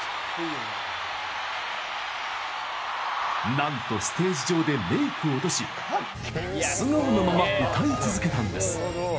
なんと、ステージ上でメークを落とし素顔のまま歌い続けたんです。